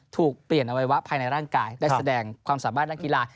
ถูกเปลี่ยนอวัยวะภายในร่างกายและแสดงความสามารถด้านกีฬา